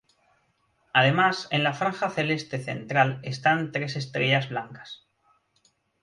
Además en la franja celeste central están tres estrellas blancas.